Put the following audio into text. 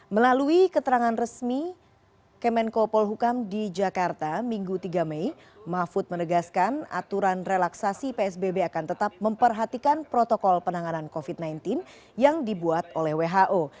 melalui keterangan resmi kemenko polhukam di jakarta minggu tiga mei mahfud menegaskan aturan relaksasi psbb akan tetap memperhatikan protokol penanganan covid sembilan belas yang dibuat oleh who